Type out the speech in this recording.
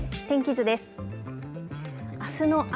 天気図です。